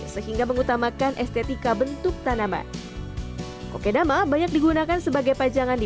sehingga mengutamakan estetika bentuk tanaman kokedama banyak digunakan sebagai pajangan di